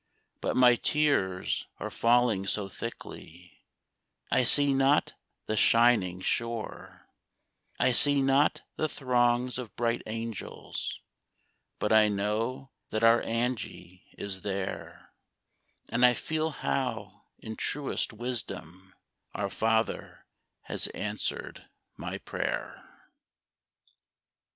But my tears are falling so thickly I see not the shining shore ; I see not the throngs of bright angels,, But I know that our Angle is there, And I feel how in truest wisdom Our Father has answered my prayer.